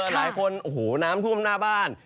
หลายคนโอ้โหน้ำท่วมหน้าบ้าน